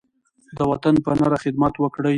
د وطن په نره خدمت وکړئ.